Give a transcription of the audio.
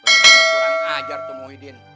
kurang ajar tuh muhyiddin